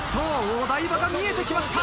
お台場が見えてきました。